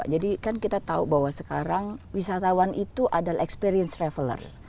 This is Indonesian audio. jadi kan kita tahu bahwa sekarang wisatawan itu adalah experienced traveller